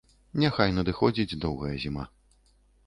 Няхай надыходзіць доўгая зіма.